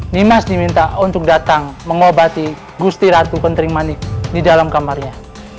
nimas diminta untuk datang mengobati gusti ratu penting manik di dalam kamarnya